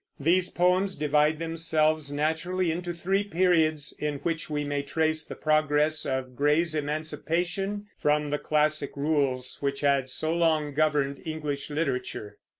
These poems divide themselves naturally into three periods, in which we may trace the progress of Gray's emancipation from the classic rules which had so long governed English literature.